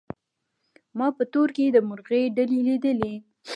ما په تور کي د مرغۍ ډلي لیدلې